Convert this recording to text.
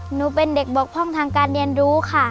หนูเป็นเด็กบกพร่องทางการเรียนรู้ค่ะ